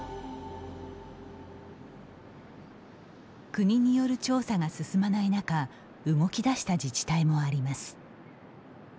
国による調査が進まない中動き出した自治体もあります。